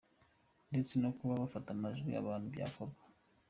Ndetse no kuba wafata amajwi abantu byakorwa.